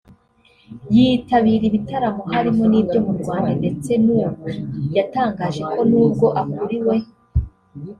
yitabira ibitaramo harimo n'ibyo mu Rwanda ndetse n’ubu yatangaje ko n’ubwo akuriwe